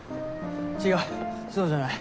違うそうじゃない。